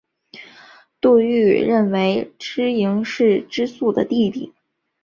杜预认为知盈是知朔的弟弟。